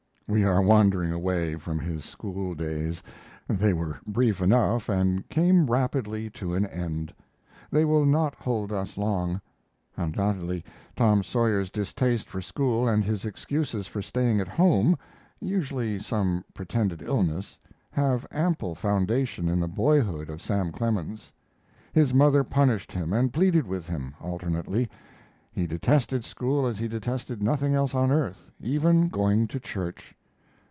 We are wandering away from his school days. They were brief enough and came rapidly to an end. They will not hold us long. Undoubtedly Tom Sawyer's distaste for school and his excuses for staying at home usually some pretended illness have ample foundation in the boyhood of Sam Clemens. His mother punished him and pleaded with him, alternately. He detested school as he detested nothing else on earth, even going to church.